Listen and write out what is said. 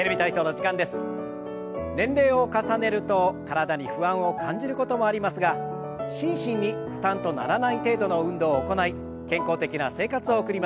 年齢を重ねると体に不安を感じることもありますが心身に負担とならない程度の運動を行い健康的な生活を送りましょう。